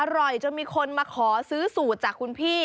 จนมีคนมาขอซื้อสูตรจากคุณพี่